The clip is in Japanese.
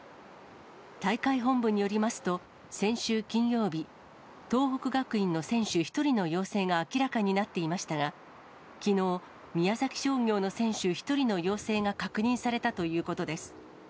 大会本部によりますと、先週金曜日、東北学院の選手１人の陽性が明らかになっていましたが、きのう、宮崎商業の選手１人の陽性が確認されたということです。